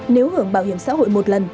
nếu hưởng bảo hiểm xã hội một lần